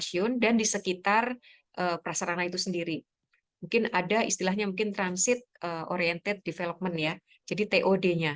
in transit oriented development ya jadi tod nya